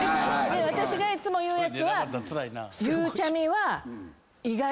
私がいっつも言うやつはゆうちゃみは。